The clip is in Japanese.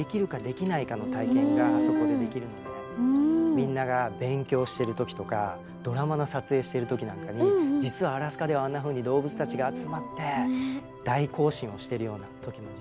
みんなが勉強してる時とかドラマの撮影してる時なんかに実はアラスカではあんなふうに動物たちが集まって大行進をしてるような時も実はあるのかもね。